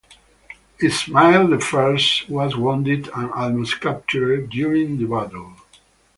Ismail I, was wounded and almost captured during the battle.